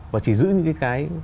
và chỉ giữ những cái